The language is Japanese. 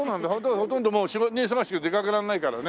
ほとんどもう仕事に忙しく出かけられないからね。